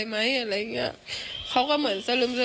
ตกลงไปจากรถไฟได้ยังไงสอบถามแล้วแต่ลูกชายก็ยังไง